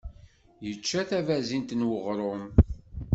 Yečča tabazint n uɣṛum.